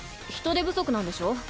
人手不足なんでしょ？